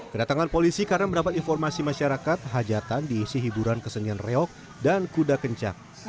kedatangan polisi karena mendapat informasi masyarakat hajatan diisi hiburan kesenian reok dan kuda kencang